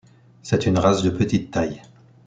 C'est une race de petite taille.